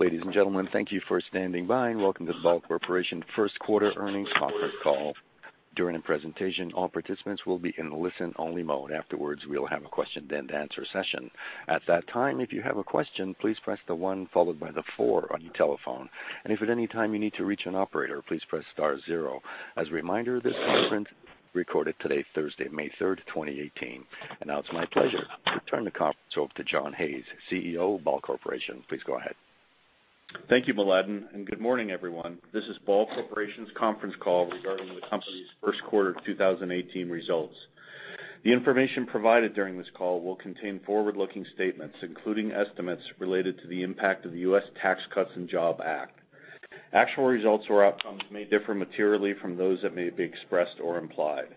Ladies and gentlemen, thank you for standing by and welcome to Ball Corporation first quarter earnings conference call. During the presentation, all participants will be in listen-only mode. Afterwards, we'll have a question-and-answer session. At that time, if you have a question, please press the one followed by the four on your telephone. If at any time you need to reach an operator, please press star zero. As a reminder, this conference is recorded today, Thursday, May 3, 2018. Now it's my pleasure to turn the conference over to John Hayes, CEO of Ball Corporation. Please go ahead. Thank you, Mladen. Good morning, everyone. This is Ball Corporation's conference call regarding the company's first quarter 2018 results. The information provided during this call will contain forward-looking statements, including estimates related to the impact of the U.S. Tax Cuts and Jobs Act. Actual results or outcomes may differ materially from those that may be expressed or implied.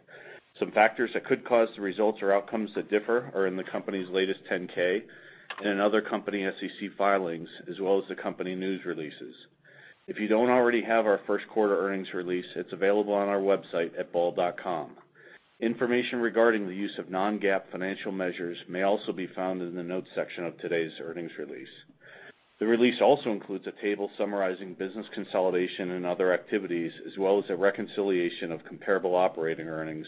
Some factors that could cause the results or outcomes to differ are in the company's latest 10-K and in other company SEC filings, as well as the company news releases. If you don't already have our first quarter earnings release, it's available on our website at ball.com. Information regarding the use of non-GAAP financial measures may also be found in the notes section of today's earnings release. The release also includes a table summarizing business consolidation and other activities, as well as a reconciliation of comparable operating earnings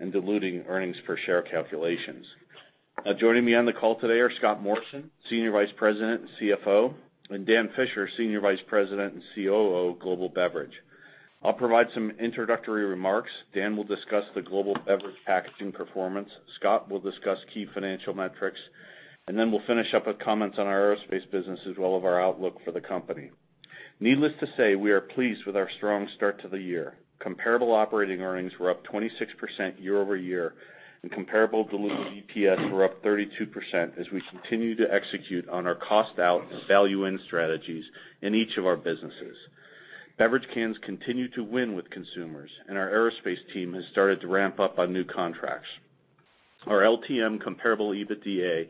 and diluted earnings per share calculations. Joining me on the call today are Scott Morrison, Senior Vice President and CFO, and Dan Fisher, Senior Vice President and COO, Global Beverage. I'll provide some introductory remarks. Dan will discuss the global beverage packaging performance. Scott will discuss key financial metrics. Then we'll finish up with comments on our aerospace business, as well as our outlook for the company. Needless to say, we are pleased with our strong start to the year. Comparable operating earnings were up 26% year-over-year, and comparable diluted EPS were up 32% as we continue to execute on our cost-out and value-in strategies in each of our businesses. Beverage cans continue to win with consumers. Our aerospace team has started to ramp up on new contracts. Our LTM comparable EBITDA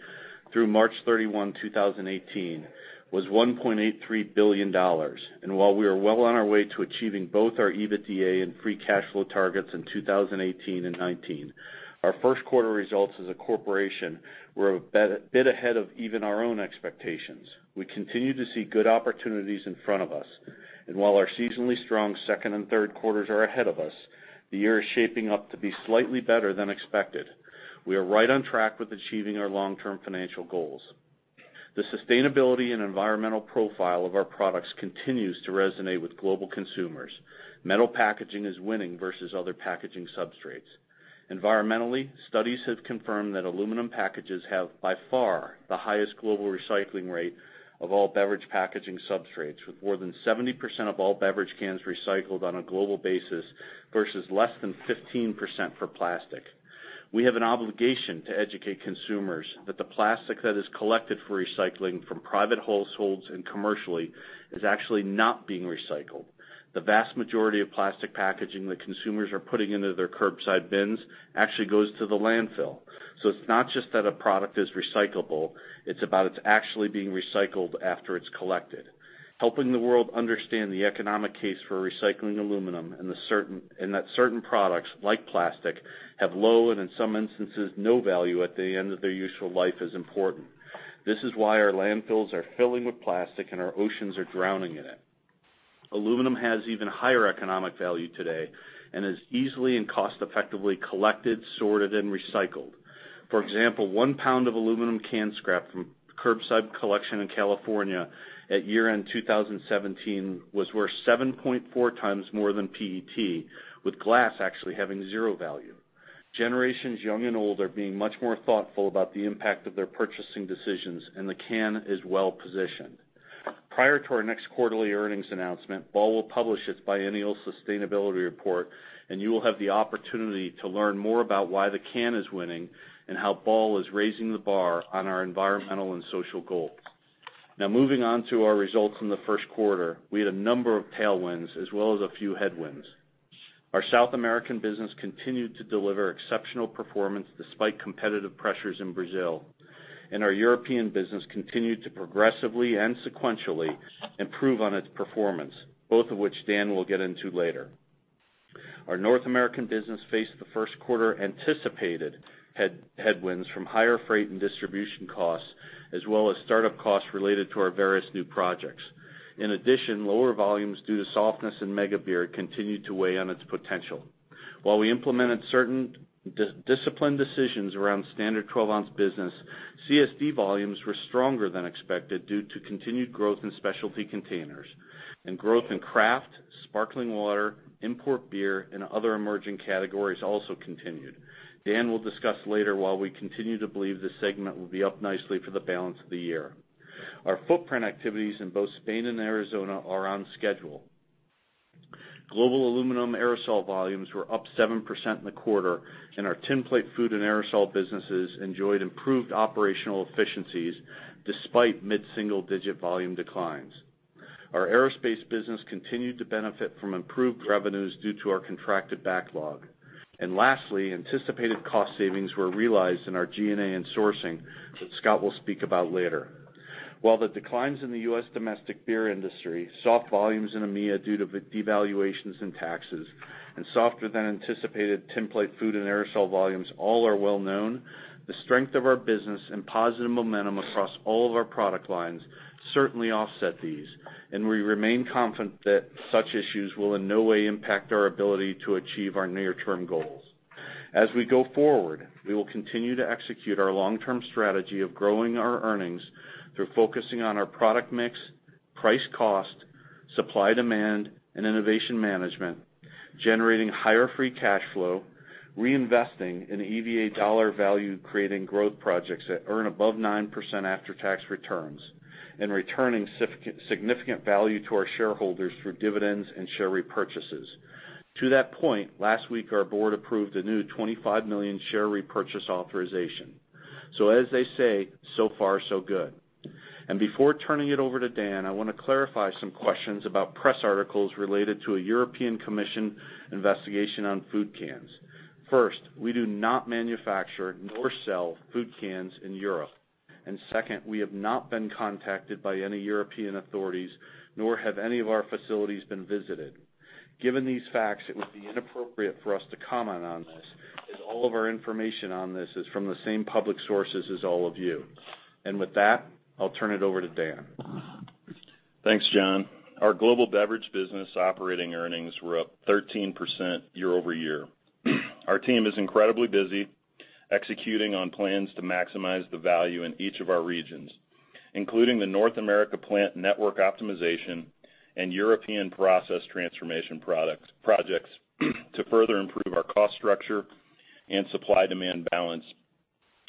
through March 31, 2018, was $1.83 billion. While we are well on our way to achieving both our EBITDA and free cash flow targets in 2018 and 2019, our first quarter results as a corporation were a bit ahead of even our own expectations. We continue to see good opportunities in front of us. While our seasonally strong second and third quarters are ahead of us, the year is shaping up to be slightly better than expected. We are right on track with achieving our long-term financial goals. The sustainability and environmental profile of our products continues to resonate with global consumers. Metal packaging is winning versus other packaging substrates. Environmentally, studies have confirmed that aluminum packages have by far the highest global recycling rate of all beverage packaging substrates, with more than 70% of all beverage cans recycled on a global basis versus less than 15% for plastic. We have an obligation to educate consumers that the plastic that is collected for recycling from private households and commercially is actually not being recycled. The vast majority of plastic packaging that consumers are putting into their curbside bins actually goes to the landfill. It's not just that a product is recyclable, it's about it actually being recycled after it's collected. Helping the world understand the economic case for recycling aluminum and that certain products, like plastic, have low, and in some instances, no value at the end of their usual life is important. This is why our landfills are filling with plastic and our oceans are drowning in it. Aluminum has even higher economic value today and is easily and cost-effectively collected, sorted, and recycled. For example, one pound of aluminum can scrap from curbside collection in California at year-end 2017 was worth 7.4 times more than PET, with glass actually having zero value. Generations young and old are being much more thoughtful about the impact of their purchasing decisions, and the can is well-positioned. Prior to our next quarterly earnings announcement, Ball will publish its biennial sustainability report, and you will have the opportunity to learn more about why the can is winning and how Ball is raising the bar on our environmental and social goals. Moving on to our results in the first quarter, we had a number of tailwinds as well as a few headwinds. Our South American business continued to deliver exceptional performance despite competitive pressures in Brazil, and our European business continued to progressively and sequentially improve on its performance, both of which Dan will get into later. Our North American business faced the first quarter anticipated headwinds from higher freight and distribution costs, as well as startup costs related to our various new projects. In addition, lower volumes due to softness in mega beer continued to weigh on its potential. While we implemented certain disciplined decisions around standard 12-ounce business, CSD volumes were stronger than expected due to continued growth in specialty containers. Growth in craft, sparkling water, import beer, and other emerging categories also continued. Dan will discuss later while we continue to believe this segment will be up nicely for the balance of the year. Our footprint activities in both Spain and Arizona are on schedule. Global aluminum aerosol volumes were up 7% in the quarter, and our tinplate food and aerosol businesses enjoyed improved operational efficiencies despite mid-single-digit volume declines. Our aerospace business continued to benefit from improved revenues due to our contracted backlog. Lastly, anticipated cost savings were realized in our G&A and sourcing that Scott will speak about later. While the declines in the U.S. domestic beer industry, soft volumes in EMEA due to devaluations and taxes, and softer-than-anticipated tinplate food and aerosol volumes all are well known, the strength of our business and positive momentum across all of our product lines certainly offset these, and we remain confident that such issues will in no way impact our ability to achieve our near-term goals. As we go forward, we will continue to execute our long-term strategy of growing our earnings through focusing on our product mix, price cost, supply-demand, and innovation management, generating higher free cash flow, reinvesting in EVA dollar value-creating growth projects that earn above 9% after-tax returns, and returning significant value to our shareholders through dividends and share repurchases. To that point, last week, our board approved a new 25 million share repurchase authorization. As they say, so far so good. Before turning it over to Dan, I want to clarify some questions about press articles related to a European Commission investigation on food cans. First, we do not manufacture nor sell food cans in Europe. Second, we have not been contacted by any European authorities, nor have any of our facilities been visited. Given these facts, it would be inappropriate for us to comment on this, as all of our information on this is from the same public sources as all of you. With that, I'll turn it over to Dan. Thanks, John. Our global beverage business operating earnings were up 13% year-over-year. Our team is incredibly busy executing on plans to maximize the value in each of our regions, including the North America plant network optimization and European process transformation projects to further improve our cost structure and supply-demand balance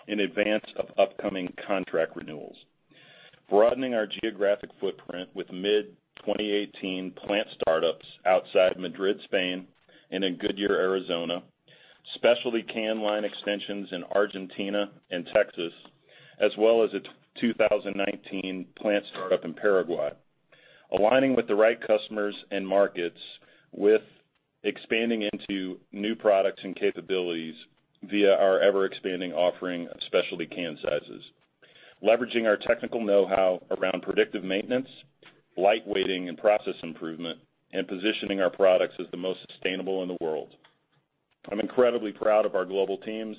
in advance of upcoming contract renewals. Broadening our geographic footprint with mid-2018 plant startups outside Madrid, Spain, and in Goodyear, Arizona, specialty can line extensions in Argentina and Texas, as well as a 2019 plant startup in Paraguay. Aligning with the right customers and markets with expanding into new products and capabilities via our ever-expanding offering of specialty can sizes. Leveraging our technical know-how around predictive maintenance, lightweighting, and process improvement, and positioning our products as the most sustainable in the world. I'm incredibly proud of our global teams.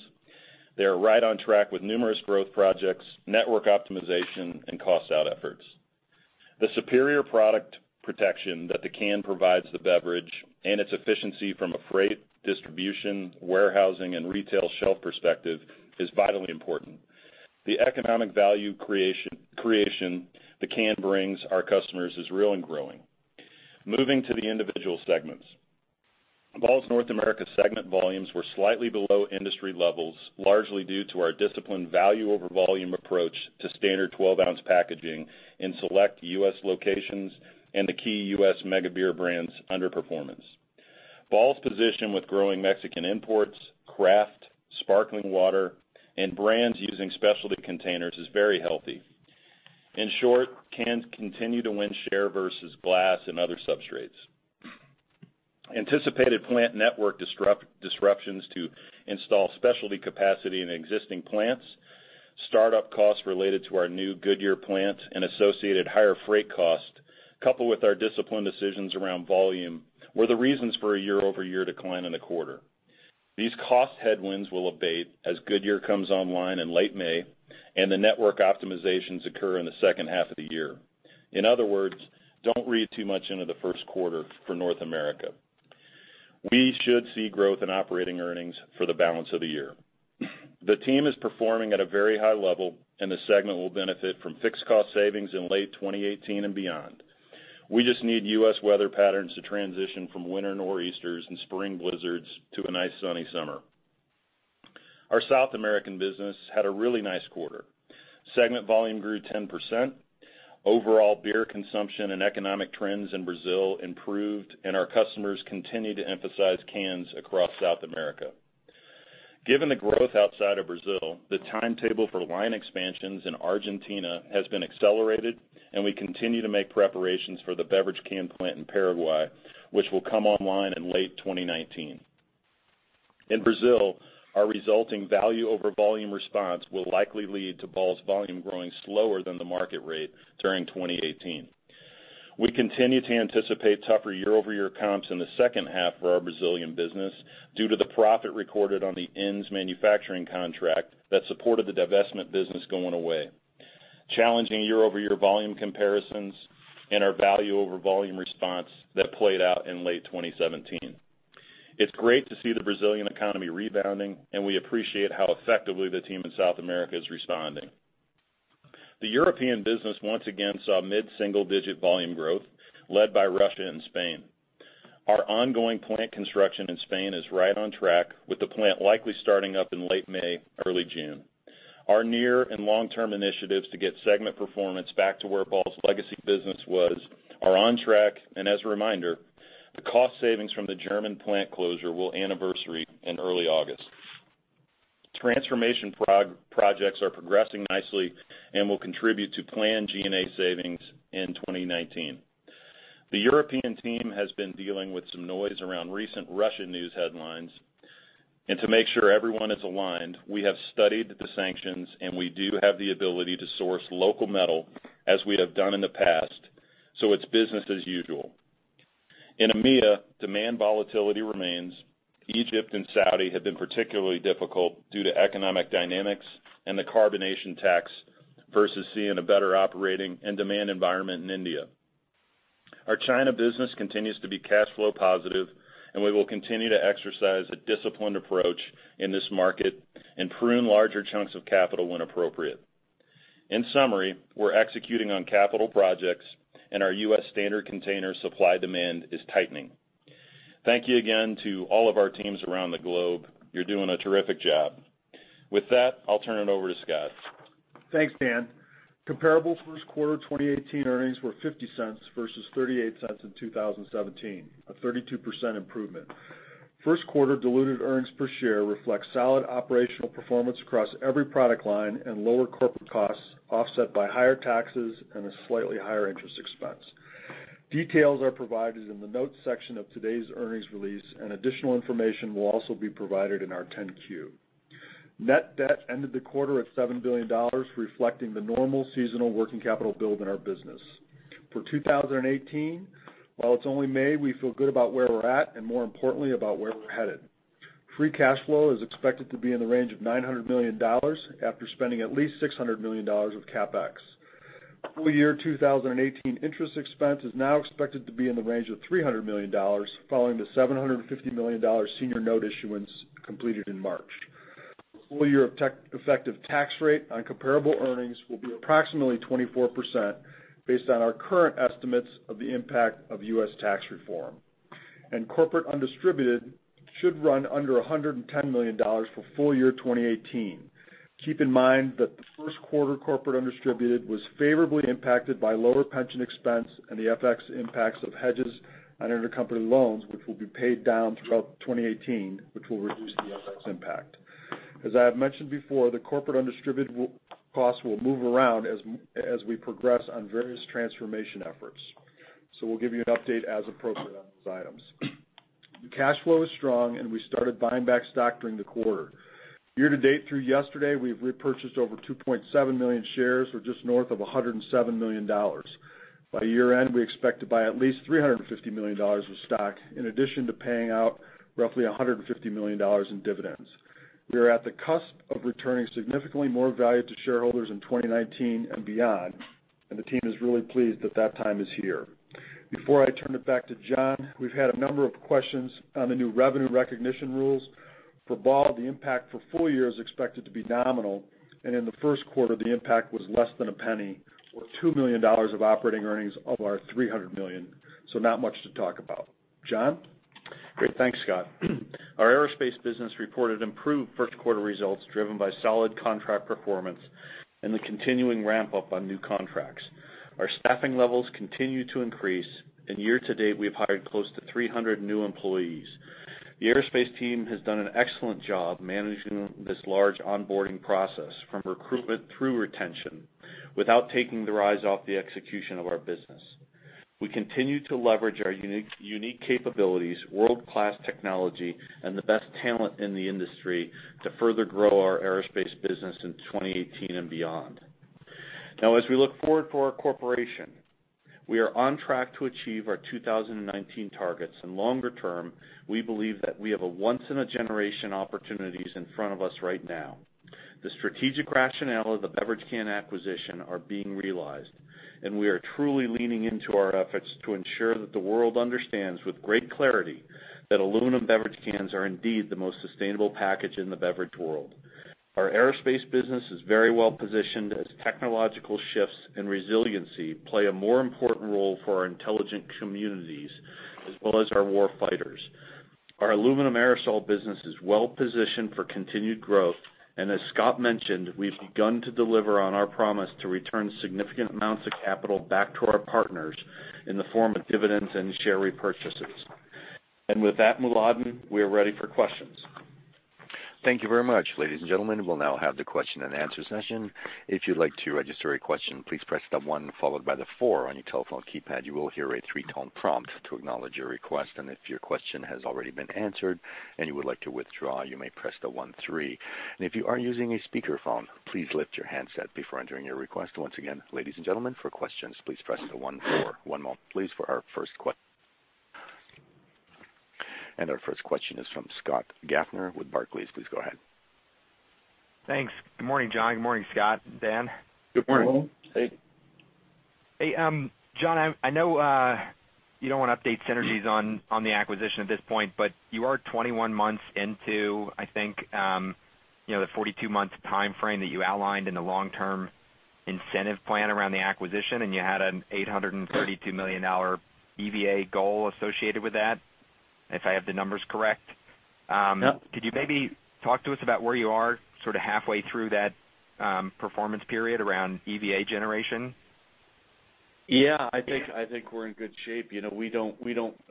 They are right on track with numerous growth projects, network optimization, and cost out efforts. The superior product protection that the can provides the beverage and its efficiency from a freight, distribution, warehousing, and retail shelf perspective is vitally important. The economic value creation the can brings our customers is real and growing. Moving to the individual segments. Ball's North America segment volumes were slightly below industry levels, largely due to our disciplined value over volume approach to standard 12-ounce packaging in select U.S. locations and the key U.S. mega beer brands under performance. Ball's position with growing Mexican imports, craft, sparkling water, and brands using specialty containers is very healthy. In short, cans continue to win share versus glass and other substrates. Anticipated plant network disruptions to install specialty capacity in existing plants, startup costs related to our new Goodyear plant, and associated higher freight cost, coupled with our disciplined decisions around volume, were the reasons for a year-over-year decline in the quarter. These cost headwinds will abate as Goodyear comes online in late May and the network optimizations occur in the second half of the year. In other words, don't read too much into the first quarter for North America. We should see growth in operating earnings for the balance of the year. The team is performing at a very high level, and the segment will benefit from fixed cost savings in late 2018 and beyond. We just need U.S. weather patterns to transition from winter nor'easters and spring blizzards to a nice, sunny summer. Our South American business had a really nice quarter. Segment volume grew 10%. Overall beer consumption and economic trends in Brazil improved, our customers continue to emphasize cans across South America. Given the growth outside of Brazil, the timetable for line expansions in Argentina has been accelerated, and we continue to make preparations for the beverage can plant in Paraguay, which will come online in late 2019. In Brazil, our resulting value over volume response will likely lead to Ball's volume growing slower than the market rate during 2018. We continue to anticipate tougher year-over-year comps in the second half for our Brazilian business due to the profit recorded on the ends manufacturing contract that supported the divestment business going away, challenging year-over-year volume comparisons and our value over volume response that played out in late 2017. It's great to see the Brazilian economy rebounding, and we appreciate how effectively the team in South America is responding. The European business once again saw mid-single-digit volume growth led by Russia and Spain. Our ongoing plant construction in Spain is right on track, with the plant likely starting up in late May, early June. Our near and long-term initiatives to get segment performance back to where Ball's legacy business was are on track. As a reminder, the cost savings from the German plant closure will anniversary in early August. Transformation projects are progressing nicely and will contribute to planned G&A savings in 2019. The European team has been dealing with some noise around recent Russian news headlines. To make sure everyone is aligned, we have studied the sanctions, and we do have the ability to source local metal, as we have done in the past, it's business as usual. In EMEA, demand volatility remains. Egypt and Saudi have been particularly difficult due to economic dynamics and the carbonation tax versus seeing a better operating and demand environment in India. Our China business continues to be cash flow positive, and we will continue to exercise a disciplined approach in this market and prune larger chunks of capital when appropriate. In summary, we're executing on capital projects, and our U.S. standard container supply-demand is tightening. Thank you again to all of our teams around the globe. You're doing a terrific job. With that, I'll turn it over to Scott. Thanks, Dan. Comparable first quarter 2018 earnings were $0.50 versus $0.38 in 2017, a 32% improvement. First quarter diluted earnings per share reflects solid operational performance across every product line and lower corporate costs, offset by higher taxes and a slightly higher interest expense. Details are provided in the notes section of today's earnings release, and additional information will also be provided in our 10-Q. Net debt ended the quarter at $7 billion, reflecting the normal seasonal working capital build in our business. For 2018, while it's only May, we feel good about where we're at, and more importantly, about where we're headed. Free cash flow is expected to be in the range of $900 million after spending at least $600 million of CapEx. Full year 2018 interest expense is now expected to be in the range of $300 million, following the $750 million senior note issuance completed in March. Full year effective tax rate on comparable earnings will be approximately 24%, based on our current estimates of the impact of U.S. tax reform. Corporate undistributed should run under $110 million for full year 2018. Keep in mind that the first quarter corporate undistributed was favorably impacted by lower pension expense and the FX impacts of hedges on intercompany loans, which will be paid down throughout 2018, which will reduce the FX impact. As I have mentioned before, the corporate undistributed costs will move around as we progress on various transformation efforts. We'll give you an update as appropriate on those items. The cash flow is strong, and we started buying back stock during the quarter. Year-to-date through yesterday, we've repurchased over 2.7 million shares or just north of $107 million. By year-end, we expect to buy at least $350 million of stock in addition to paying out roughly $150 million in dividends. We are at the cusp of returning significantly more value to shareholders in 2019 and beyond, and the team is really pleased that that time is here. Before I turn it back to John, we've had a number of questions on the new revenue recognition rules. For Ball, the impact for full year is expected to be nominal, and in the first quarter, the impact was less than $0.01 or $2 million of operating earnings of our $300 million. Not much to talk about. John? Great. Thanks, Scott. Our aerospace business reported improved first quarter results, driven by solid contract performance and the continuing ramp-up on new contracts. Our staffing levels continue to increase, and year-to-date, we have hired close to 300 new employees. The aerospace team has done an excellent job managing this large onboarding process, from recruitment through retention, without taking their eyes off the execution of our business. We continue to leverage our unique capabilities, world-class technology, and the best talent in the industry to further grow our aerospace business in 2018 and beyond. As we look forward for our corporation, we are on track to achieve our 2019 targets. Longer term, we believe that we have a once-in-a-generation opportunities in front of us right now. The strategic rationale of the beverage can acquisition are being realized, we are truly leaning into our efforts to ensure that the world understands with great clarity that aluminum beverage cans are indeed the most sustainable package in the beverage world. Our aerospace business is very well-positioned as technological shifts and resiliency play a more important role for our intelligent communities as well as our war fighters. Our aluminum aerosol business is well-positioned for continued growth. As Scott mentioned, we've begun to deliver on our promise to return significant amounts of capital back to our partners in the form of dividends and share repurchases. With that, Mladen, we are ready for questions. Thank you very much. Ladies and gentlemen, we'll now have the question and answer session. If you'd like to register a question, please press the one followed by the four on your telephone keypad. You will hear a three-tone prompt to acknowledge your request. If your question has already been answered and you would like to withdraw, you may press the one three. If you are using a speakerphone, please lift your handset before entering your request. Once again, ladies and gentlemen, for questions, please press the one four. One moment please for our first. Our first question is from Scott Gaffner with Barclays. Please go ahead. Thanks. Good morning, John. Good morning, Scott, Dan. Good morning. Good morning. Hey, John, I know you don't want to update synergies on the acquisition at this point, but you are 21 months into, I think, the 42-month timeframe that you outlined in the long-term incentive plan around the acquisition, and you had an $832 million EVA goal associated with that, if I have the numbers correct. Yep. Could you maybe talk to us about where you are sort of halfway through that performance period around EVA generation? Yeah. I think we're in good shape. We don't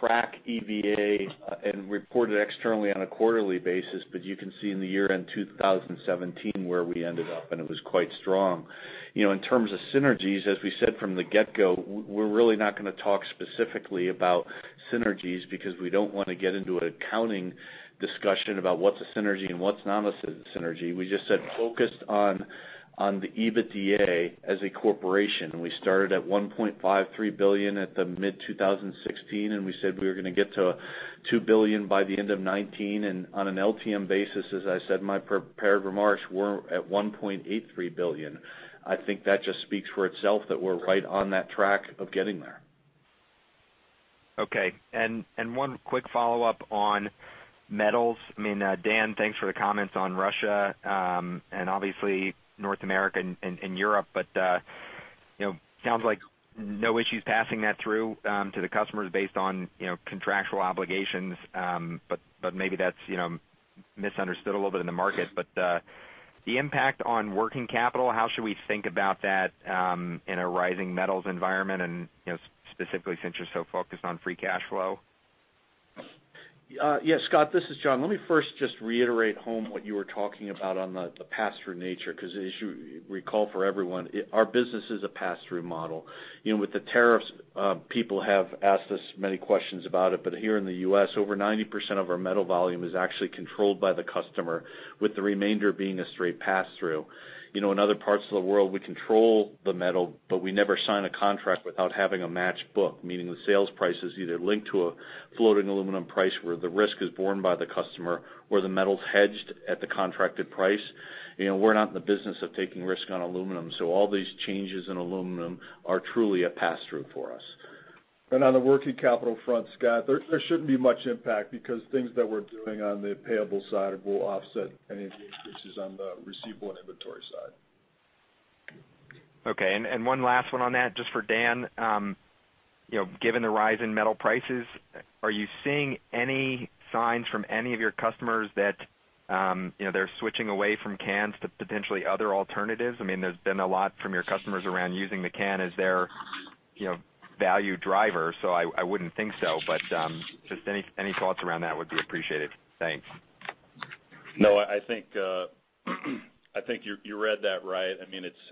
track EVA and report it externally on a quarterly basis. You can see in the year-end 2017 where we ended up, and it was quite strong. In terms of synergies, as we said from the get-go, we're really not going to talk specifically about synergies because we don't want to get into an accounting discussion about what's a synergy and what's not a synergy. We just said focused on the EBITDA as a corporation, and we started at $1.53 billion at the mid-2016, and we said we were going to get to $2 billion by the end of 2019. On an LTM basis, as I said in my prepared remarks, we're at $1.83 billion. I think that just speaks for itself that we're right on that track of getting there Okay. One quick follow-up on metals. Dan, thanks for the comments on Russia, and obviously North America and Europe, sounds like no issues passing that through to the customers based on contractual obligations. Maybe that's misunderstood a little bit in the market. The impact on working capital, how should we think about that in a rising metals environment and, specifically since you're so focused on free cash flow? Yes, Scott, this is John. Let me first just reiterate home what you were talking about on the pass-through nature, because as you recall for everyone, our business is a pass-through model. With the tariffs, people have asked us many questions about it, but here in the U.S., over 90% of our metal volume is actually controlled by the customer, with the remainder being a straight pass-through. In other parts of the world, we control the metal, but we never sign a contract without having a matched book, meaning the sales price is either linked to a floating aluminum price where the risk is borne by the customer or the metal's hedged at the contracted price. We're not in the business of taking risk on aluminum, so all these changes in aluminum are truly a pass-through for us. On the working capital front, Scott, there shouldn't be much impact because things that we're doing on the payable side will offset any of the increases on the receivable and inventory side. Okay, one last one on that, just for Dan. Given the rise in metal prices, are you seeing any signs from any of your customers that they're switching away from cans to potentially other alternatives? There's been a lot from your customers around using the can as their value driver, so I wouldn't think so, just any thoughts around that would be appreciated. Thanks. No, I think you read that right.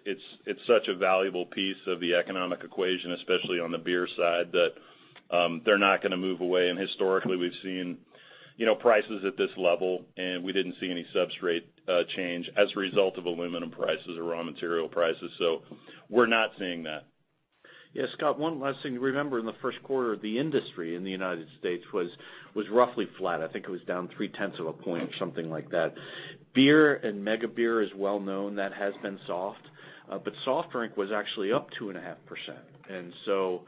It's such a valuable piece of the economic equation, especially on the beer side, that they're not going to move away. Historically, we've seen prices at this level, and we didn't see any substrate change as a result of aluminum prices or raw material prices. We're not seeing that. Scott, one last thing to remember, in the first quarter, the industry in the U.S. was roughly flat. I think it was down three-tenths of a point or something like that. Beer and mega beer is well known. That has been soft. Soft drink was actually up 2.5%.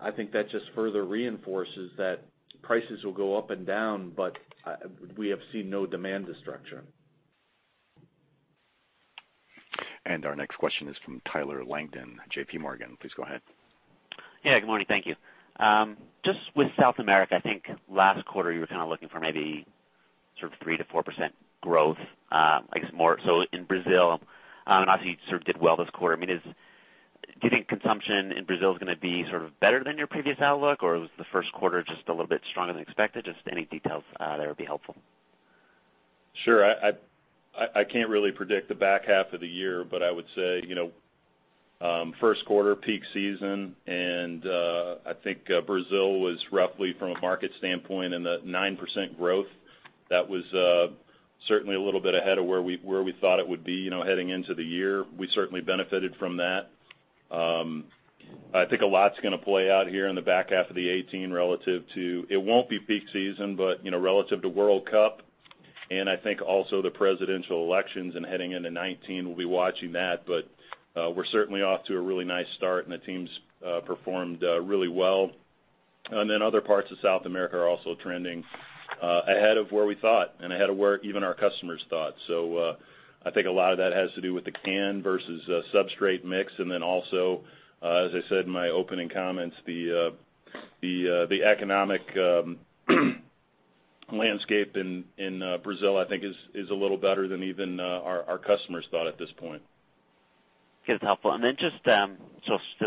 I think that just further reinforces that prices will go up and down, but we have seen no demand destruction. Our next question is from Tyler Langton, JPMorgan. Please go ahead. Good morning. Thank you. With South America, I think last quarter, you were kind of looking for maybe 3%-4% growth, I guess more. In Brazil, and obviously you sort of did well this quarter. Do you think consumption in Brazil is going to be better than your previous outlook, or was the first quarter just a little bit stronger than expected? Any details there would be helpful. Sure. I can't really predict the back half of the year, I would say, first quarter, peak season, and I think Brazil was roughly, from a market standpoint, in the 9% growth. That was certainly a little bit ahead of where we thought it would be heading into the year. We certainly benefited from that. I think a lot's going to play out here in the back half of 2018 relative to, it won't be peak season, but relative to World Cup, I think also the presidential elections and heading into 2019, we'll be watching that. We're certainly off to a really nice start, and the team's performed really well. Other parts of South America are also trending ahead of where we thought and ahead of where even our customers thought. I think a lot of that has to do with the can versus substrate mix, and then also, as I said in my opening comments, the economic landscape in Brazil, I think, is a little better than even our customers thought at this point. Okay. That's helpful. Just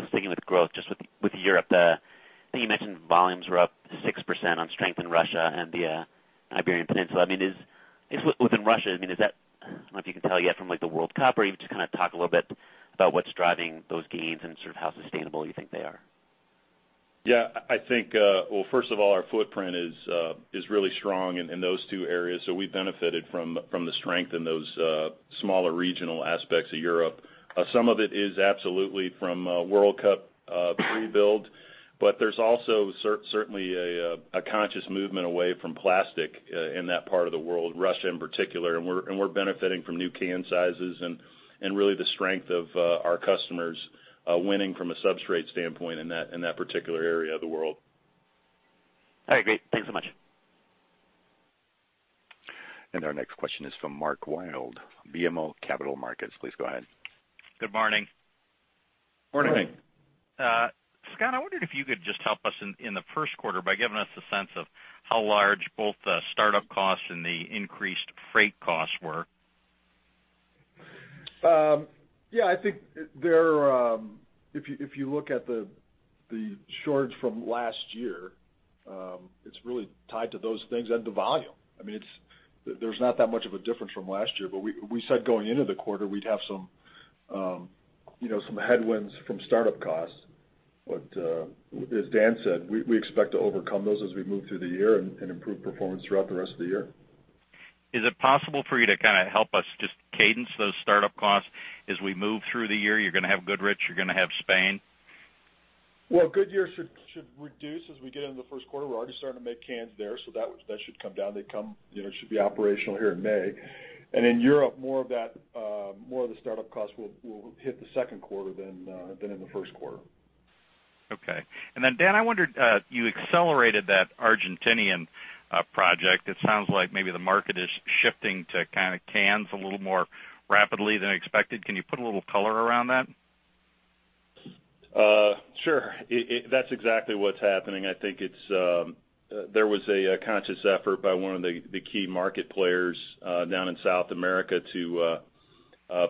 sticking with growth, just with Europe, I think you mentioned volumes were up 6% on strength in Russia and the Iberian Peninsula. Within Russia, I don't know if you can tell yet from the World Cup, or even just kind of talk a little bit about what's driving those gains and how sustainable you think they are. Well, first of all, our footprint is really strong in those two areas, we benefited from the strength in those smaller regional aspects of Europe. Some of it is absolutely from World Cup pre-build, there's also certainly a conscious movement away from plastic in that part of the world, Russia in particular, we're benefiting from new can sizes and really the strength of our customers winning from a substrate standpoint in that particular area of the world. All right, great. Thanks so much. Our next question is from Mark Wilde, BMO Capital Markets. Please go ahead. Good morning. Morning. Scott, I wondered if you could just help us in the first quarter by giving us a sense of how large both the startup costs and the increased freight costs were. Yeah, I think if you look at the shortage from last year, it's really tied to those things and the volume. There's not that much of a difference from last year, we said going into the quarter we'd have some headwinds from startup costs. As Dan said, we expect to overcome those as we move through the year and improve performance throughout the rest of the year. Is it possible for you to kind of help us just cadence those startup costs as we move through the year? You're going to have Goodyear, you're going to have Spain. Well, Goodyear should reduce as we get into the first quarter. We're already starting to make cans there, that should come down. They should be operational here in May. In Europe, more of the startup costs will hit the second quarter than in the first quarter. Okay. Dan, I wondered, you accelerated that Argentinian project. It sounds like maybe the market is shifting to cans a little more rapidly than expected. Can you put a little color around that? Sure. That's exactly what's happening. I think there was a conscious effort by one of the key market players down in South America to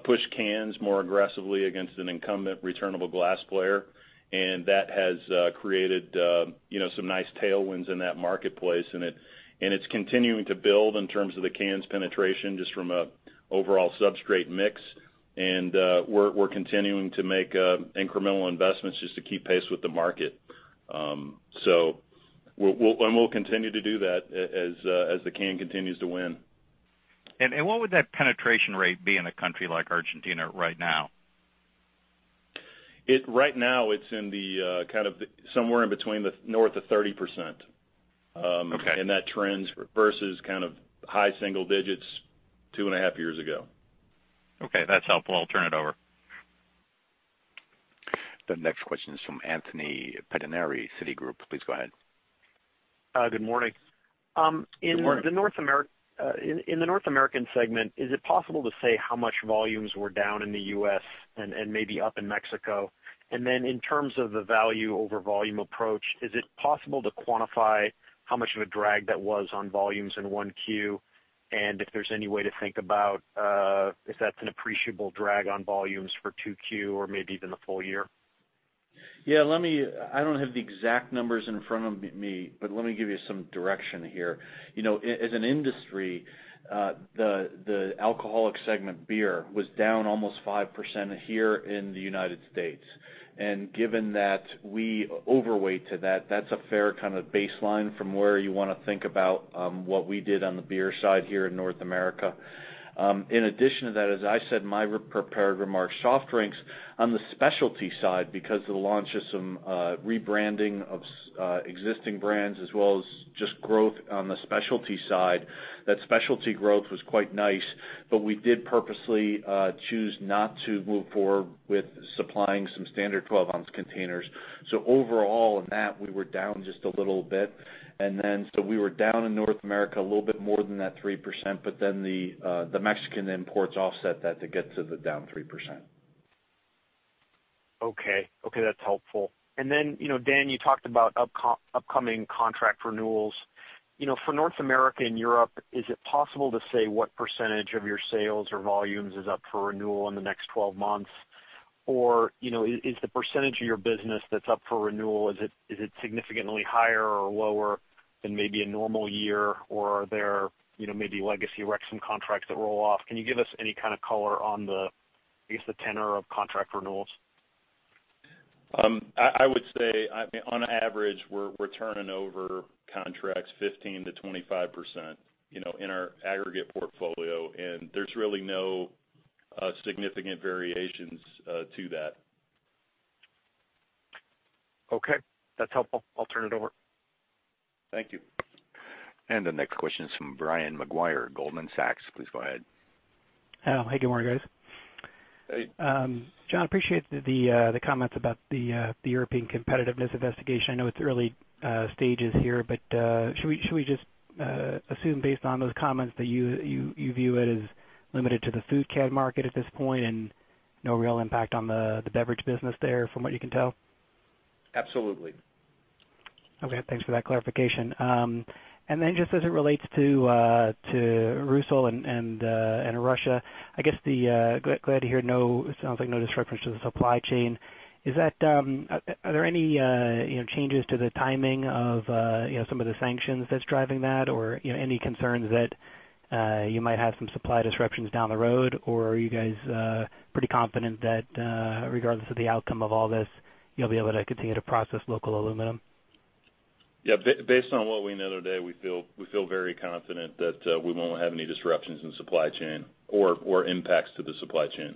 push cans more aggressively against an incumbent returnable glass player. That has created some nice tailwinds in that marketplace, and it's continuing to build in terms of the cans penetration, just from an overall substrate mix. We're continuing to make incremental investments just to keep pace with the market. We'll continue to do that as the can continues to win. What would that penetration rate be in a country like Argentina right now? Right now, it's somewhere in between north of 30%. Okay. That trend versus high single digits two and a half years ago. Okay, that's helpful. I'll turn it over. The next question is from Anthony Pettinari, Citi. Please go ahead. Good morning. Good morning. In the North American segment, is it possible to say how much volumes were down in the U.S. and maybe up in Mexico? Then in terms of the value over volume approach, is it possible to quantify how much of a drag that was on volumes in 1Q? If there's any way to think about if that's an appreciable drag on volumes for 2Q or maybe even the full year. Yeah, I don't have the exact numbers in front of me, but let me give you some direction here. As an industry, the alcoholic segment beer was down almost 5% here in the United States. Given that we overweight to that's a fair baseline from where you want to think about what we did on the beer side here in North America. In addition to that, as I said in my prepared remarks, soft drinks on the specialty side, because of the launch of some rebranding of existing brands, as well as just growth on the specialty side, that specialty growth was quite nice. We did purposely choose not to move forward with supplying some standard 12-ounce containers. Overall, in that, we were down just a little bit. We were down in North America a little bit more than that 3%, the Mexican imports offset that to get to the down 3%. Okay. That's helpful. Then, Dan, you talked about upcoming contract renewals. For North America and Europe, is it possible to say what percentage of your sales or volumes is up for renewal in the next 12 months? Is the percentage of your business that's up for renewal, is it significantly higher or lower than maybe a normal year, or are there maybe legacy Rexam contracts that roll off? Can you give us any kind of color on the, I guess, the tenor of contract renewals? I would say, on average, we're turning over contracts 15%-25% in our aggregate portfolio. There's really no significant variations to that. Okay, that's helpful. I'll turn it over. Thank you. The next question is from Brian Maguire, Goldman Sachs. Please go ahead. Oh, hey, good morning, guys. Hey. John, appreciate the comments about the European competitiveness investigation. I know it's early stages here, should we just assume based on those comments that you view it as limited to the food can market at this point, and no real impact on the beverage business there from what you can tell? Absolutely. Okay, thanks for that clarification. Just as it relates to Rusal and Russia, I guess, glad to hear it sounds like no disruptions to the supply chain. Are there any changes to the timing of some of the sanctions that's driving that? Any concerns that you might have some supply disruptions down the road? Are you guys pretty confident that regardless of the outcome of all this, you'll be able to continue to process local aluminum? Yeah. Based on what we know today, we feel very confident that we won't have any disruptions in supply chain or impacts to the supply chain.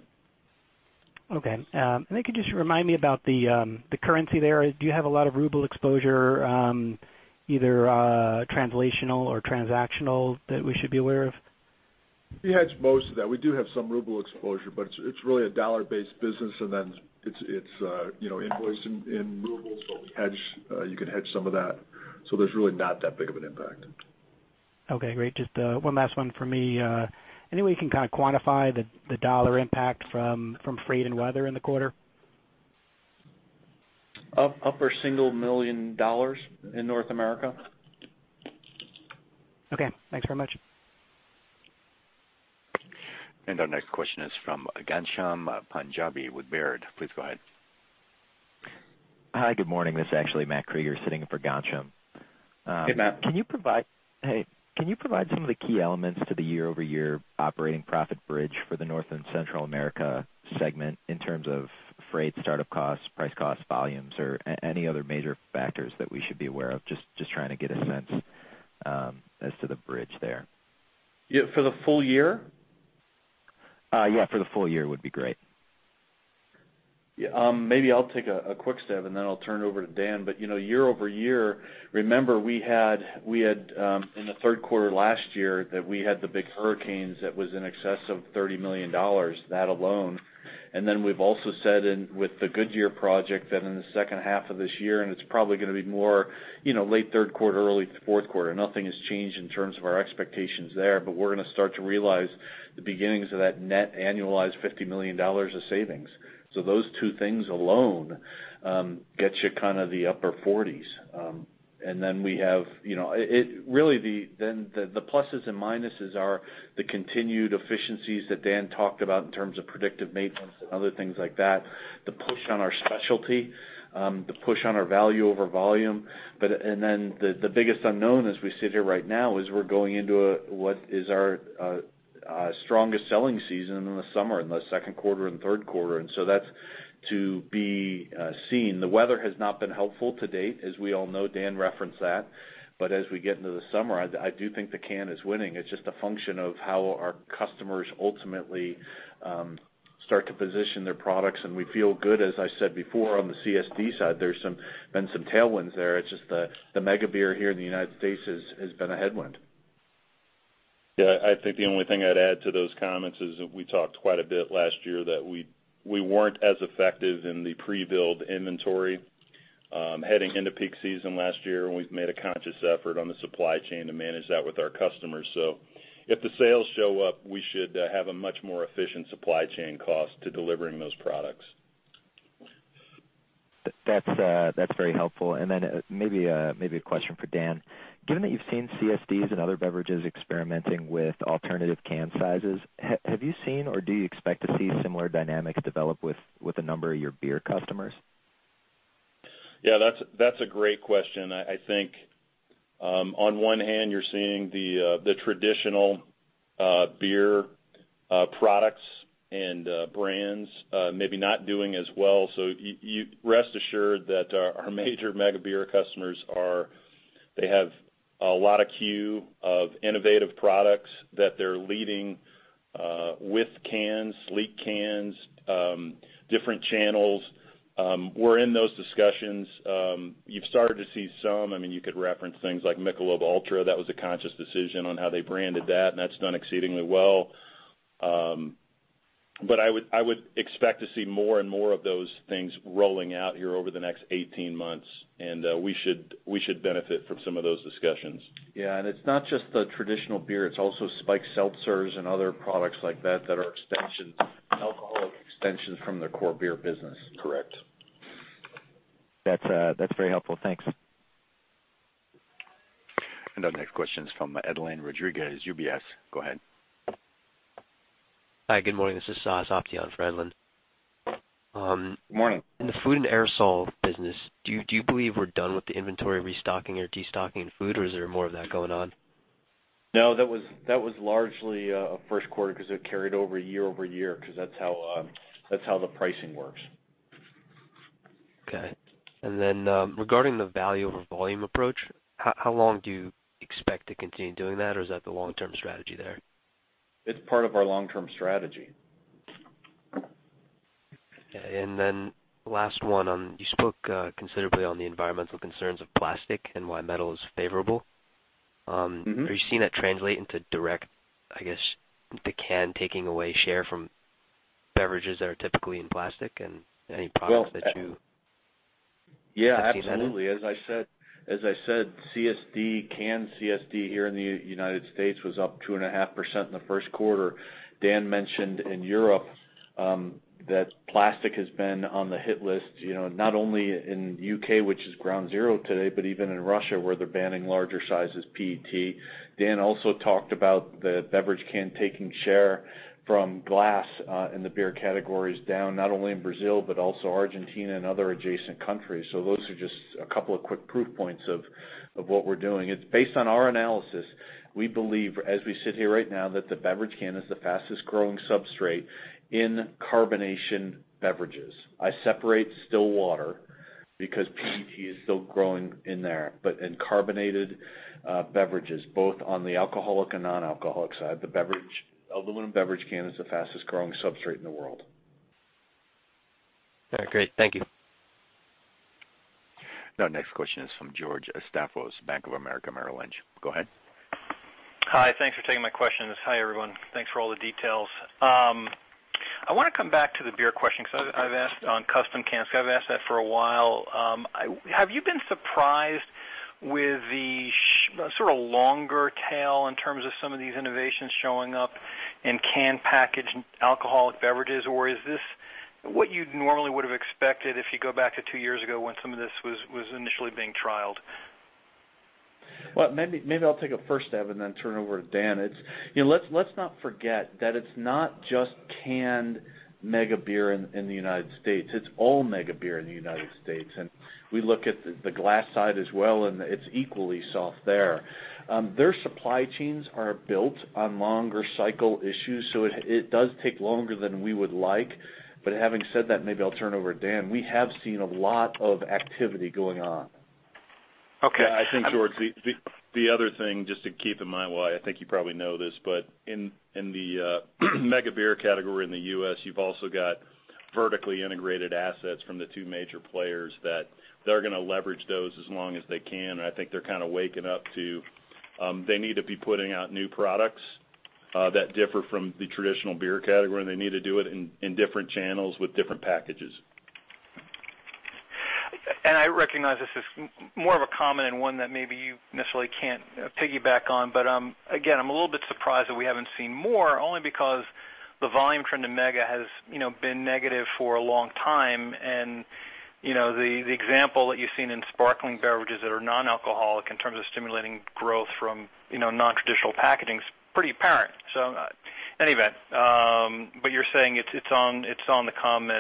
Okay. Then could you just remind me about the currency there? Do you have a lot of ruble exposure, either translational or transactional, that we should be aware of? We hedge most of that. We do have some ruble exposure, but it's really a dollar-based business, and then it's invoiced in rubles, so you can hedge some of that. There's really not that big of an impact. Okay, great. Just one last one from me. Any way you can quantify the dollar impact from freight and weather in the quarter? Upper single million dollars in North America. Okay. Thanks very much. Our next question is from Ghansham Panjabi with Baird. Please go ahead. Hi, good morning. This is actually Matt Krueger sitting in for Ghansham. Hey, Matt. Can you provide some of the key elements to the year-over-year operating profit bridge for the North and Central America segment in terms of freight, startup costs, price costs, volumes, or any other major factors that we should be aware of? Just trying to get a sense as to the bridge there. For the full year? Yeah, for the full year would be great. Maybe I'll take a quick stab, and then I'll turn it over to Dan. Year-over-year, remember, we had in the third quarter last year that we had the big hurricanes that was in excess of $30 million. That alone We've also said with the Goodyear project that in the second half of this year, it's probably going to be more late third quarter, early fourth quarter. Nothing has changed in terms of our expectations there. We're going to start to realize the beginnings of that net annualized $50 million of savings. Those two things alone get you the upper 40s. The pluses and minuses are the continued efficiencies that Dan talked about in terms of predictive maintenance and other things like that, the push on our specialty, the push on our value over volume. The biggest unknown as we sit here right now is we're going into what is our strongest selling season in the summer, in the second quarter and third quarter. That's to be seen. The weather has not been helpful to date, as we all know. Dan referenced that. As we get into the summer, I do think the can is winning. It's just a function of how our customers ultimately start to position their products. We feel good, as I said before, on the CSD side. There's been some tailwinds there. It's just the mega beer here in the U.S. has been a headwind. Yeah, I think the only thing I'd add to those comments is that we talked quite a bit last year that we weren't as effective in the pre-build inventory heading into peak season last year, we've made a conscious effort on the supply chain to manage that with our customers. If the sales show up, we should have a much more efficient supply chain cost to delivering those products. That's very helpful. Maybe a question for Dan. Given that you've seen CSDs and other beverages experimenting with alternative can sizes, have you seen or do you expect to see similar dynamics develop with a number of your beer customers? That's a great question. I think on one hand, you're seeing the traditional beer products and brands maybe not doing as well. Rest assured that our major mega beer customers have a lot of queue of innovative products that they're leading with cans, sleek cans, different channels. We're in those discussions. You've started to see some. You could reference things like Michelob ULTRA. That was a conscious decision on how they branded that, and that's done exceedingly well. I would expect to see more and more of those things rolling out here over the next 18 months, and we should benefit from some of those discussions. It's not just the traditional beer, it's also spiked seltzers and other products like that that are alcoholic extensions from their core beer business. Correct. That's very helpful. Thanks. Our next question is from Edlain Rodriguez, UBS. Go ahead. Hi, good morning. This is Sas Option for Edlain. Good morning. In the food and aerosol business, do you believe we're done with the inventory restocking or destocking in food, or is there more of that going on? No, that was largely a first quarter because it carried over year-over-year, because that's how the pricing works. Okay. Regarding the value over volume approach, how long do you expect to continue doing that, or is that the long-term strategy there? It's part of our long-term strategy. Okay. Last one. You spoke considerably on the environmental concerns of plastic and why metal is favorable. Are you seeing that translate into direct, I guess, the can taking away share from beverages that are typically in plastic and any products that you have seen there? Yeah, absolutely. As I said, canned CSD here in the U.S. was up 2.5% in the first quarter. Dan mentioned in Europe that plastic has been on the hit list, not only in U.K., which is ground zero today, but even in Russia, where they're banning larger sizes PET. Dan also talked about the beverage can taking share from glass in the beer categories down, not only in Brazil, but also Argentina and other adjacent countries. Those are just a couple of quick proof points of what we're doing. Based on our analysis, we believe, as we sit here right now, that the beverage can is the fastest-growing substrate in carbonation beverages. I separate still water because PET is still growing in there. In carbonated beverages, both on the alcoholic and non-alcoholic side, the aluminum beverage can is the fastest-growing substrate in the world. All right, great. Thank you. Our next question is from George Staphos, Bank of America Merrill Lynch. Go ahead. Hi, thanks for taking my questions. Hi, everyone. Thanks for all the details. I want to come back to the beer question because I've asked on custom cans. I've asked that for a while. Have you been surprised with the longer tail in terms of some of these innovations showing up in can-packaged alcoholic beverages, or is this what you normally would have expected if you go back to two years ago when some of this was initially being trialed? Well, maybe I'll take a first stab and then turn it over to Dan. Let's not forget that it's not just canned mega beer in the United States. It's all mega beer in the United States. We look at the glass side as well, and it's equally soft there. Their supply chains are built on longer cycle issues, it does take longer than we would like. Having said that, maybe I'll turn it over to Dan. We have seen a lot of activity going on. Okay. Yeah, I think, George, the other thing just to keep in mind, while I think you probably know this, but in the mega beer category in the U.S., you've also got vertically integrated assets from the two major players that they're going to leverage those as long as they can, and I think they're kind of waking up to they need to be putting out new products that differ from the traditional beer category, and they need to do it in different channels with different packages. I recognize this is more of a common and one that maybe you necessarily can't piggyback on, again, I'm a little bit surprised that we haven't seen more, only because the volume trend in mega has been negative for a long time. The example that you've seen in sparkling beverages that are non-alcoholic in terms of stimulating growth from non-traditional packaging is pretty apparent. In any event, you're saying it's on the come,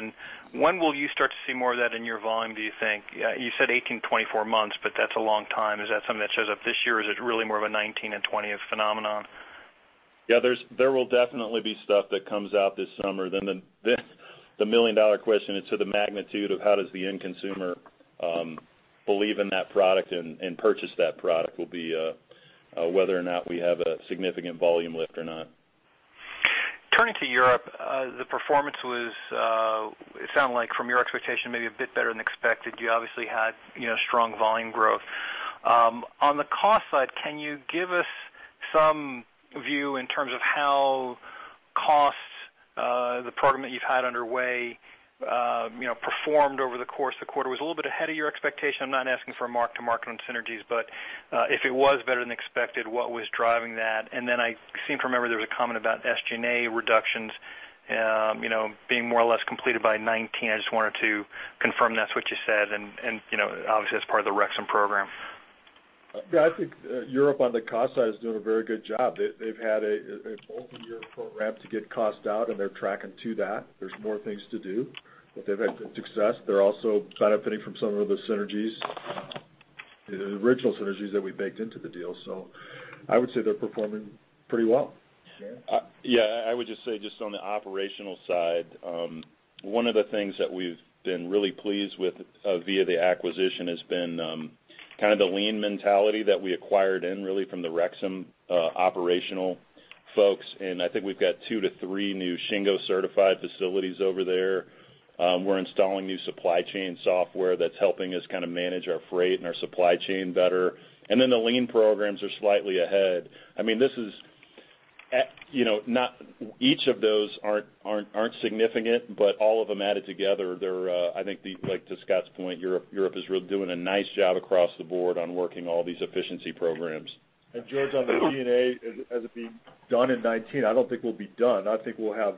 when will you start to see more of that in your volume, do you think? You said 18 to 24 months, that's a long time. Is that something that shows up this year, or is it really more of a 2019 and 2020 phenomenon? Yeah, there will definitely be stuff that comes out this summer. The million-dollar question is to the magnitude of how does the end consumer believe in that product and purchase that product, will be whether or not we have a significant volume lift or not. Turning to Europe, the performance was, it sounded like from your expectation, maybe a bit better than expected. You obviously had strong volume growth. On the cost side, can you give us some view in terms of how costs, the program that you've had underway, performed over the course of the quarter? Was it a little bit ahead of your expectation? I'm not asking for mark to market on synergies, but if it was better than expected, what was driving that? I seem to remember there was a comment about SG&A reductions being more or less completed by 2019. I just wanted to confirm that's what you said, and obviously, that's part of the Rexam program. I think Europe on the cost side is doing a very good job. They've had a multi-year program to get costs out, they're tracking to that. There's more things to do, they've had good success. They're also benefiting from some of the synergies, the original synergies that we baked into the deal. I would say they're performing pretty well. Dan? I would just say just on the operational side, one of the things that we've been really pleased with via the acquisition has been kind of the lean mentality that we acquired in really from the Rexam operational folks. I think we've got two to three new Shingo-certified facilities over there. We're installing new supply chain software that's helping us kind of manage our freight and our supply chain better. The lean programs are slightly ahead. Each of those aren't significant, all of them added together, I think, to Scott's point, Europe is really doing a nice job across the board on working all these efficiency programs. George, on the G&A, as it being done in 2019, I don't think we'll be done. I think we'll have